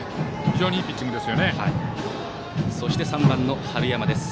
非常にいいピッチングです。